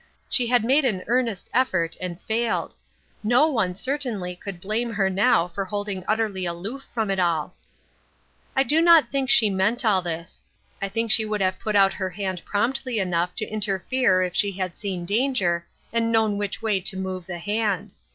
She had made an earnest effort, and failed. No one certainly could blame her now for holding utterly aloof from it all. I do not think she meant all this. I think she would have put out her hand promptly enough to interfere if she had seen danger, and known which way to move the hand.